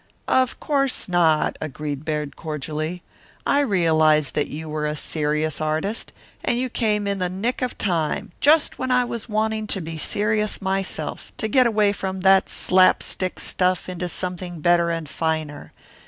"Of course not," agreed Baird cordially. "I realized that you were a serious artist, and you came in the nick of time, just when I was wanting to be serious myself, to get away from that slap stick stuff into something better and finer.